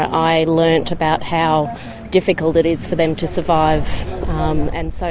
saya belajar tentang seberapa sulitnya untuk mereka untuk bertahan